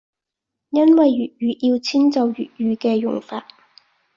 因為粵語要遷就粵語嘅用法